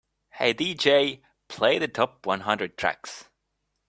"Hey DJ, play the top one hundred tracks"